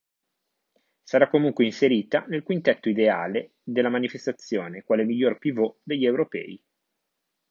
Sarà comunque inserita nel quintetto ideale della manifestazione quale miglior pivot degli Europei.